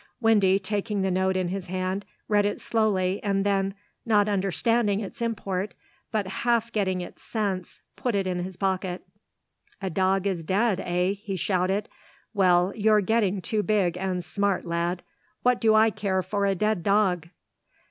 Windy, taking the note in his hand, read it slowly and then, not understanding its import and but half getting its sense, put it in his pocket. "A dog is dead, eh?" he shouted. "Well you're getting too big and smart, lad. What do I care for a dead dog?"